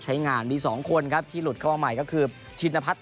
ใช้งานมี๒คนครับที่หลุดเข้ามาใหม่ก็คือชินพัฒน